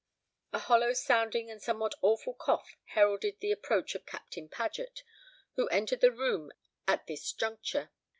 A hollow sounding and somewhat awful cough heralded the approach of Captain Paget, who entered the room at this juncture.